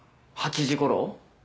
８時ごろ？